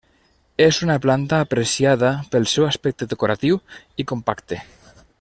És una planta apreciada pel seu aspecte decoratiu i compacte.